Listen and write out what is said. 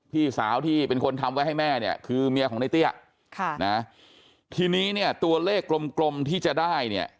พี่สาวที่เป็นคนทำไว้ให้แม่เนี่ยคือเมียของในเตี้ยค่ะนะทีนี้เนี่ยตัวเลขกลมกลมที่จะได้เนี่ย